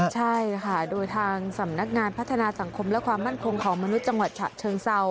ใช่ค่ะโดยทางสำนักงานพัฒนาสังคมและความมั่นคงของมนุษย์จังหวัดฉะเชิงเซา